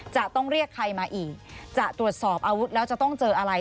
จะต้องเรียกใครมาอีกจะตรวจสอบอาวุธแล้วจะต้องเจออะไร